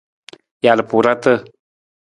Jalpuurata.